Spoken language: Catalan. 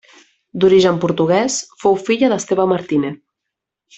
D'origen portuguès, fou filla d'Esteve Martínez.